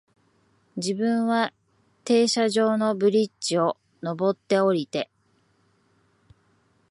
自分は停車場のブリッジを、上って、降りて、